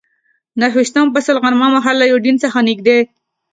نهه ویشتم فصل، غرمه مهال له یوډین څخه نږدې.